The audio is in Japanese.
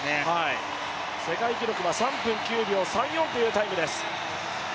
世界記録は３分９秒３４というタイムです。